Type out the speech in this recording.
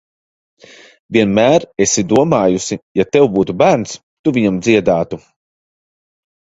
Vienmēr esi domājusi, ja tev būtu bērns, tu viņam dziedātu.